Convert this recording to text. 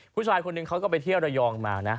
ผู้ชายคนหนึ่งเขาก็ไปเที่ยวระยองมานะ